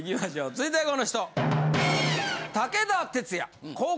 続いてはこの人！